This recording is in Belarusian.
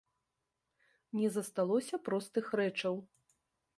Не засталося простых рэчаў.